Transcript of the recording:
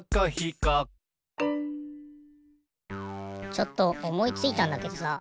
ちょっとおもいついたんだけどさ